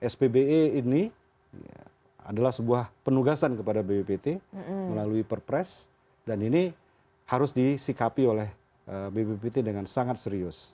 spbe ini adalah sebuah penugasan kepada bppt melalui perpres dan ini harus disikapi oleh bppt dengan sangat serius